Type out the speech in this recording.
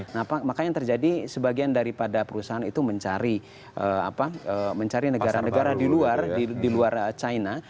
nah makanya yang terjadi sebagian daripada perusahaan itu mencari negara negara di luar china